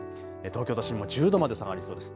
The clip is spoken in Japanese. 東京都心も１０度まで下がりそうです。